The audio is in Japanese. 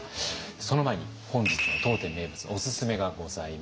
その前に本日の当店名物のおすすめがございます。